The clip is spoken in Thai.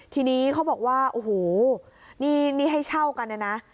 ทีนี้เขาบอกว่าโอ้โหนี่ให้เช่ากันเนี่ยนะ